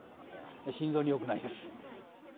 心臓によくないです。